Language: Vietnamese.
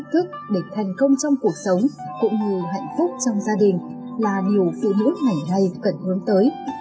thách thức để thành công trong cuộc sống cũng như hạnh phúc trong gia đình là điều phụ nữ ngày nay cần hướng tới